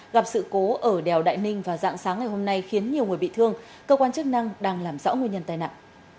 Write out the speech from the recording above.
gặp sự cố ở đèo đại ninh vào dạng sáng ngày hôm nay khiến nhiều người bị thương cơ quan chức năng đang làm rõ nguyên nhân tai nạn